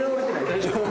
大丈夫？